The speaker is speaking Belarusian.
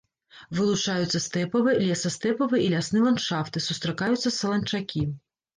Вылучаюцца стэпавы, лесастэпавы і лясны ландшафты, сустракаюцца саланчакі.